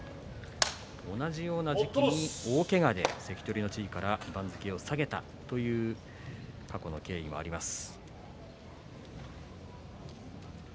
同じような時期に大けがで関取の地位から番付を下げたという過去の経緯もあります。